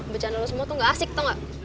bercanda lo semua tuh gak asik tau gak